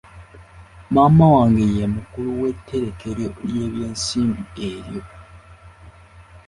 Maama wange ye mukulu w'etterekero ly'ensimbi eryo.